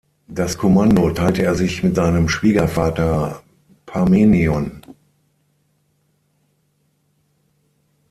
Das Kommando teilte er sich mit seinem Schwiegervater Parmenion.